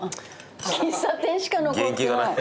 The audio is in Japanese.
「喫茶店」しか残ってない！